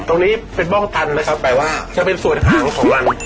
ตรงนี้เป็นบ้องตันนะครับแต่ว่าจะเป็นส่วนหางของมัน